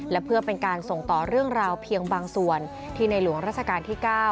และเพื่อเป็นการส่งต่อเรื่องราวเพียงบางส่วนที่ในหลวงราชการที่๙